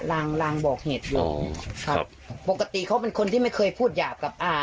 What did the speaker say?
ลางลางบอกเหตุอยู่ครับปกติเขาเป็นคนที่ไม่เคยพูดหยาบกับอ่า